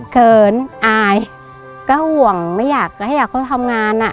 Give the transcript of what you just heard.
เขินอายก็ห่วงไม่อยากให้เขาทำงาน